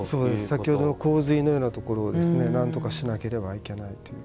先ほどの洪水のようなところをなんとかしなければいけないという。